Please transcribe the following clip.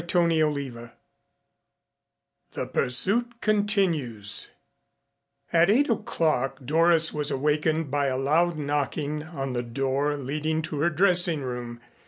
CHAPTER V THE PURSUIT CONTINUES At eight o'clock Doris was awakened by a loud knocking on the door leading to her dressing room.